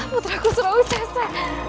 putraku selalu sesek